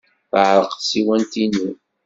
Teɛreq tsiwant-inu.